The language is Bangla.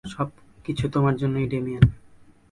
সবকিছু তোমার জন্যই, ডেমিয়েন!